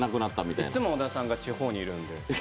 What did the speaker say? いつも小田さんが地方にいるんで。